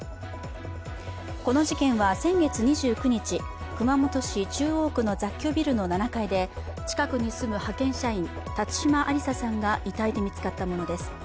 この事件は先月２９日、熊本市中央区の雑居ビルの７階で近くに住む派遣社員、辰島ありささんが遺体で見つかったものです。